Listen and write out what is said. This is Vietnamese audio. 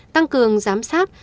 tăng cường giám sát